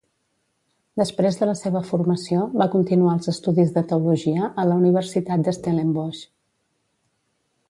Després de la seva formació, va continuar els estudis de teologia a la Universitat de Stellenbosch.